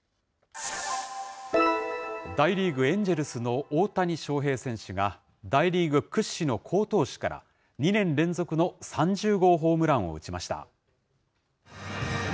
大リーグ・エンジェルスの大谷翔平選手が、大リーグ屈指の好投手から、２年連続の３０号ホームランを打ちました。